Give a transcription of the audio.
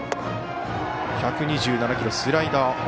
１２７キロ、スライダー。